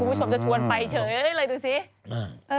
คุณผู้ชมจะชวนไปเฉยได้เลยดูสิ